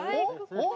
おっ？